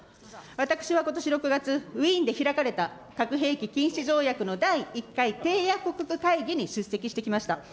私はことし６月、ウィーンで開かれた核兵器禁止条約の第１回締約国会議に出席してきました。